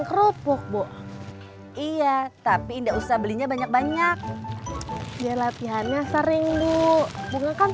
kerupuk bu iya tapi ndak usah belinya banyak banyak dia latihannya sering duk pengen menang